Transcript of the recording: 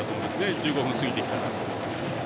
１５分過ぎてきたら。